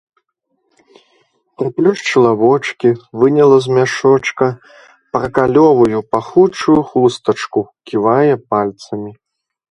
Прыплюшчыла вочкі, выняла з мяшочка паркалёвую пахучую хустачку, ківае пальцамі.